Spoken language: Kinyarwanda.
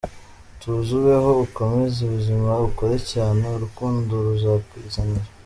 Tuza, ubeho, ukomeze ubuzima, ukore cyane…urukundo ruzakwizanira.